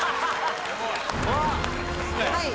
はい。